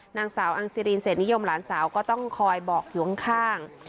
นางสาวอังซีรีนเศษนิยมหลานสาวก็ต้องคอยบอกอยู่ข้าง